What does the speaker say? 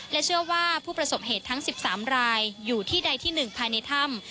และเชื่อว่าผู้ประสบเหตุทั้งสิบสามรายอยู่ที่ใดที่หนึ่งภายในถ้ำ